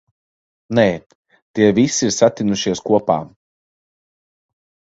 Nē, tie visi ir satinušies kopā.